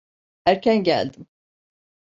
Erken geldim.